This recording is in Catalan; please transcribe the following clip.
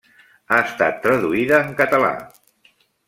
Ha estat traduïda en català.